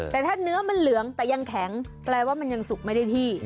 แต่ถ้าเนื้อมันเหลืองแต่ยังแข็งแปลว่ามันยังสุกไม่ได้ที่